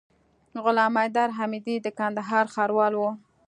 غلام حيدر حميدي د کندهار ښاروال وو.